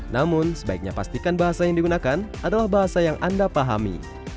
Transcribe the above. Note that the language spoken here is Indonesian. namun sebaiknya pastikan bahasa yang digunakan adalah bahasa yang anda pahami